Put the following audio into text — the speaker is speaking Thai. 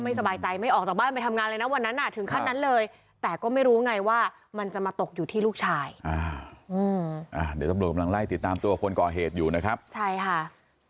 อ่าเดี๋ยวต้องโบราณไล่ติดตามตัวคนก่อเหตุอยู่นะครับใช่ค่ะ